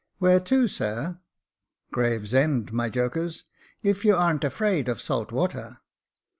" Where to, sir ?"" Gravesend, my jokers, if you ar'n't afraid of salt water."